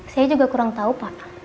saya juga kurang tahu pak